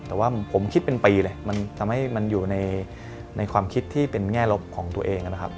แต่ว่าผมคิดเป็นปีเลยมันทำให้มันอยู่ในความคิดที่เป็นแง่ลบของตัวเองนะครับ